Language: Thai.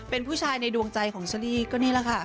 เป็นผู้ชายในดวงใจของเชอรี่ก็นี่แหละค่ะ